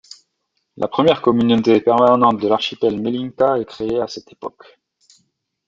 La première communauté permanente de l'archipel, Melinka, est créée à cette époque.